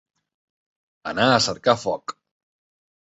Anar a cercar foc.